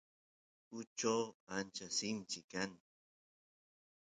uchu ancha sinchi kan